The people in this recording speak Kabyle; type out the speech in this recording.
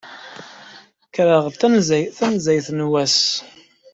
Kkreɣ-d tanzayt n wass.